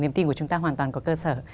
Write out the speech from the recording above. niềm tin của chúng ta hoàn toàn có cơ sở